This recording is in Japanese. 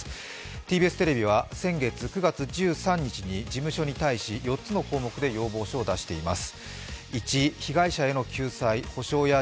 ＴＢＳテレビは先月９月１３日に４つの項目で要望書を出しています。